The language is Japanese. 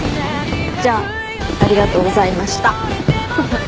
じゃあありがとうございました。